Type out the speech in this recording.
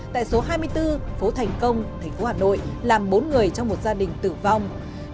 tại số hai mươi bốn phố thành công thành phố hà nội làm bốn người trong một gia đình tử vong